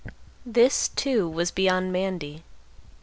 This, too, was beyond Mandy.